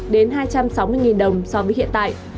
tức tăng tám mươi hai trăm sáu mươi đồng so với hiện tại